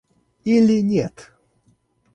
Или нет?